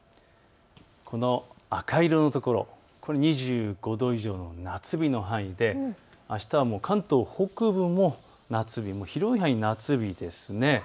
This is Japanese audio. この赤色の所、２５度以上の夏日の範囲であしたは関東北部も夏日、広い範囲で夏日ですね。